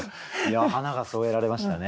花が添えられましたね。